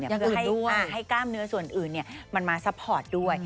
อย่างอื่นด้วยให้กล้ามเนื้อส่วนอื่นมันมาซัพพอร์ตด้วย